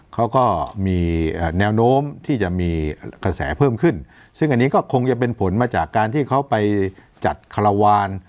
เขาก็มีแนวโน้มที่จะมีกระแสเพิ่มขึ้นซึ่งอันนี้ก็คงจะเป็นผลมาจากการที่เขาไปจัดคาราวาน